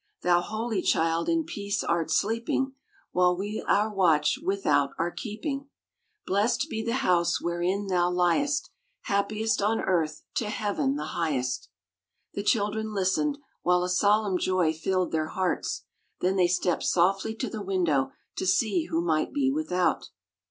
"Thou, holy Child, in peace art sleeping, While we our watch without are keeping. "Blest be the house wherein thou liest. Happiest on earth, to heaven the highest." The children listened, while a solemn joy filled their hearts; then they stepped softly to the window to see who might be without.